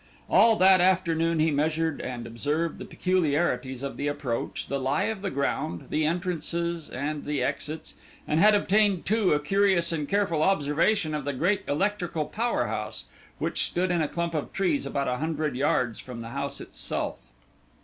All that afternoon he measured and observed the peculiarities of the approach, the lie of the ground, the entrances, and the exits, and had obtained too a cautious and careful observation of the great electrical power house, which stood in a clump of trees about a hundred yards from the house itself.